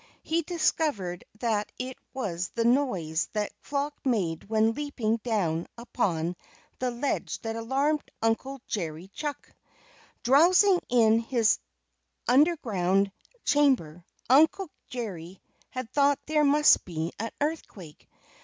He discovered that it was the noise the flock made when leaping down upon the ledge that alarmed Uncle Jerry Chuck. Drowsing in his underground chamber Uncle Jerry had thought there must be an earthquake.